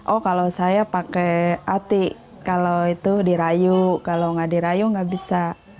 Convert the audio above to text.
oh kalau saya pakai atik kalau itu dirayu kalau nggak dirayu nggak bisa